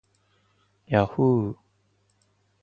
yahhoo